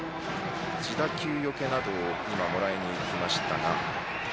自打球よけなどをもらいに行きましたが。